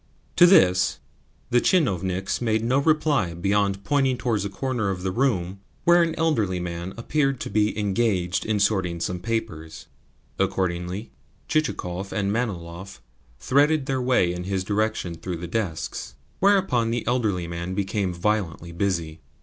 To this the tchinovniks made no reply beyond pointing towards a corner of the room where an elderly man appeared to be engaged in sorting some papers. Accordingly Chichikov and Manilov threaded their way in his direction through the desks; whereupon the elderly man became violently busy.